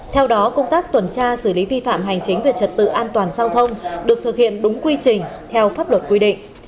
theo đó công tác tuần tra xử lý vi phạm hành chính về trật tự an toàn giao thông được thực hiện đúng quy trình theo pháp luật quy định